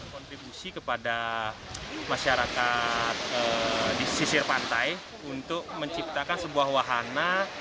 kontribusi kepada masyarakat di sisir pantai untuk menciptakan sebuah wahana